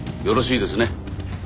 よろしいですね？